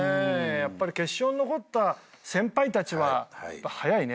やっぱり決勝に残った先輩たちは速いね。